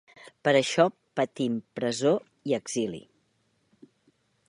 Per això patim presó i exili.